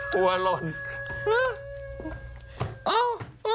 ตัวลด